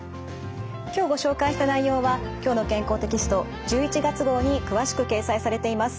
今日ご紹介した内容は「きょうの健康」テキスト１１月号に詳しく掲載されています。